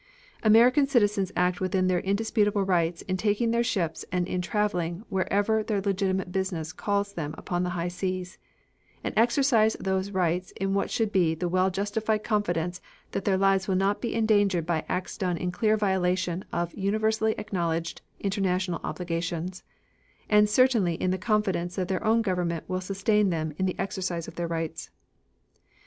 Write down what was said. American citizens act within their indisputable rights in taking their ships and in traveling wherever their legitimate business calls them upon the high seas, and exercise those rights in what should be the well justified confidence that their lives will not be endangered by acts done in clear violation of universally acknowledged international obligations, and certainly in the confidence that their own government will sustain them in the exercise of their rights.